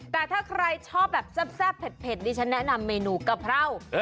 แต่ถ้าใครชอบแบบแซ่บเผ็ดดิฉันแนะนำเมนูกะเพรา